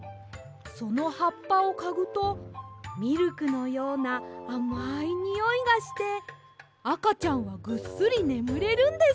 そのはっぱをかぐとミルクのようなあまいにおいがしてあかちゃんがぐっすりねむれるんです！